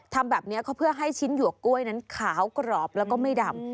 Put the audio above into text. ทำแบบนี้ก็เพื่อให้ชิ้นหยวกกล้วยนั้นขาวกรอบแล้วก็ไม่ดำ